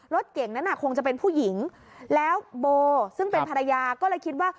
รถเก่งนั้นคงจะเป็นผู้หญิงแล้วโบซึ่งเป็นภรรยาก็เลยคิดว่า